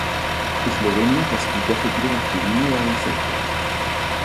Eslovenia clasificó a su equipo masculino de baloncesto.